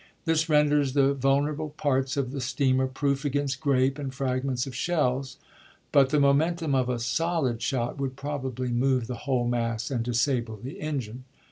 This renders the vulnerable parts of the steamer proof against grape and fragments of shells, bnt the momentum of a solid shot would probably move the whole mass and disable the engine.